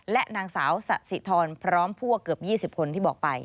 และนางสาวสะสิทรพร้อมพวกเกือบ๒๐คนที่บอกไป